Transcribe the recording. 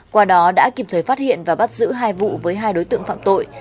qua đó đã kịp thời phát hiện và bắt giữ hai vụ với hai đối tượng phạm tội